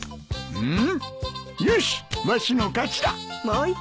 うん？